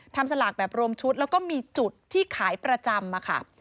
ทำสลักแบบรวมชุดแล้วก็มีจุดที่ขายประจำ